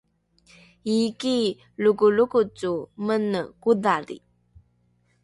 iiki lrokolrokoco mene kodhali